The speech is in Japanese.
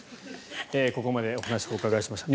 ここまでお話をお伺いしました。